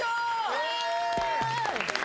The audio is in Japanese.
イエーイ！